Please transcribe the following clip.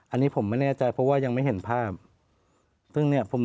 อันนี้ผมไม่แน่ใจเพราะว่ายังไม่เห็นภาพซึ่งเนี้ยผม